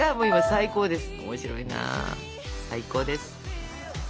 最高です。